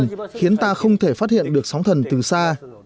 bức tường này khiến ta không thể phát hiện được sóng thần từ xa